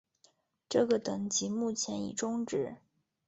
这个等级目前已终止。